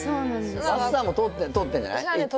さーも通ってんじゃない？